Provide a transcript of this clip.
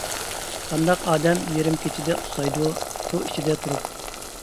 قانداق ئادەم يېرىم كېچىدە ئۇسسايدۇ، سۇ ئىچىدە تۇرۇپ.